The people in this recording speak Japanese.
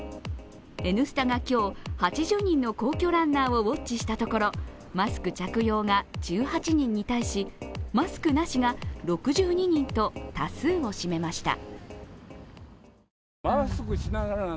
「Ｎスタ」が今日、８０人の皇居ランナーをウオッチしたところマスク着用が１８人に対しマスクなしが６２人と多数を占めました。